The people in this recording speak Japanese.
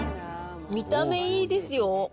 見た目いいですよ。